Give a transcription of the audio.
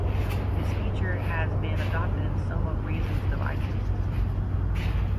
This feature has been adopted in some of Reason's devices.